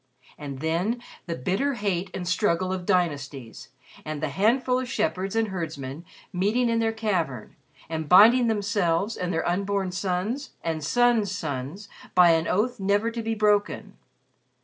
And then the bitter hate and struggle of dynasties, and the handful of shepherds and herdsmen meeting in their cavern and binding themselves and their unborn sons and sons' sons by an oath never to be broken.